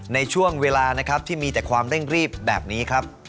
ในช่วงเวลานะครับที่มีแต่ความเร่งรีบแบบนี้ครับ